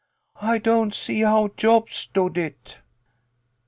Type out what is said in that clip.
I don't see how Job stood it."